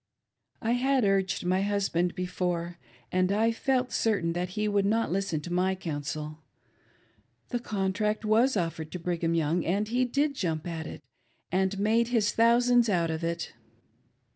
I had urged my husband before, and I felt certain that he would not listen to my counsel. The contract was offered to Brigham Young, and he did jump at it, and made his thousands out of it.